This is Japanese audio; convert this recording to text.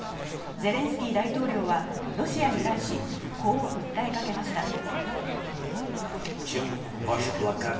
ゼレンスキー大統領はロシアに対し、こう訴えかけました。